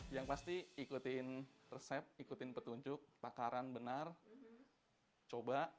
yang pasti ikutin resep ikutin petunjuk takaran benar coba